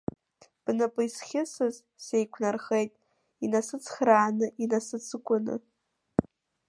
Бнапы исхьысыз сеиқәнархеит инасыцхрааны, инасыҵгәаны…